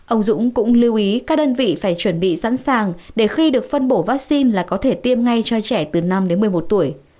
ông dũng cũng lưu ý các đơn vị phải chuẩn bị sẵn sàng để khi được phân bổ vaccine là có thể tiêm ngay cho trẻ từ năm đến một mươi một tuổi